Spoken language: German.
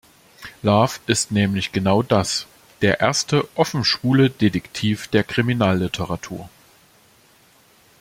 Love ist nämlich genau das, der erste offen schwule Detektiv der Kriminalliteratur.